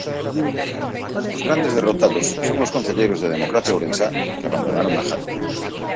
Os grandes derrotados son os concelleiros de Democracia Ourensá que abandonaron a Jácome.